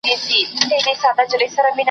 پر دې لار تر هیڅ منزله نه رسیږو `